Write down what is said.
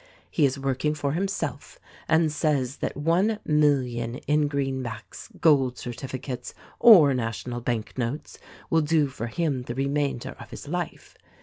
He is working for himself and says that one million in greenbacks, Gold Certificates, or National Bank notes will do for him the remainder of his life.